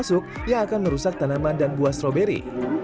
dan juga untuk mencari masukan yang akan merusak tanaman dan buah strawberry